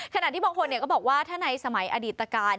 ขณะที่บางคนก็บอกว่าถ้าในสมัยอดีตการ